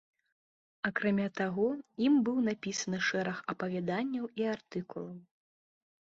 Акрамя таго ім быў напісаны шэраг апавяданняў і артыкулаў.